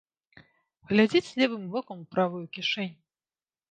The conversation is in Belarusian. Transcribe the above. Глядзіць левым вокам у правую кішэнь.